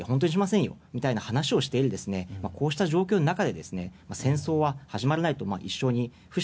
しませんよという話をしているこうした状況の中で戦争は始まらないと。